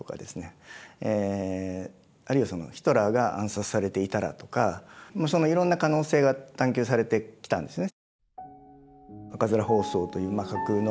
あるいはヒトラーが暗殺されていたらとかいろんな可能性が探求されてきたんですね。